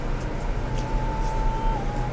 که د وګړو زياتوالى تر توليد ډېر سي څه پېښيږي؟